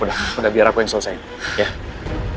ya udah udah biar aku yang selesaikan